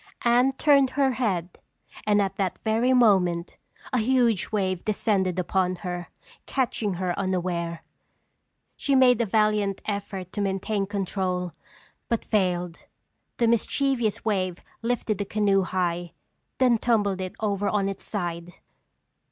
Anne turned her head and at that very moment a huge wave descended upon her, catching her unaware. She made a valiant effort to maintain control, but failed. The mischievous wave lifted the canoe high, then tumbled it over on its side!